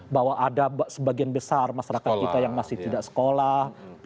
bahwa ada sebagian besar masyarakat kita yang masih tidak sekolah